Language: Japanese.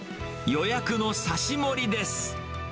予約の刺し盛りです。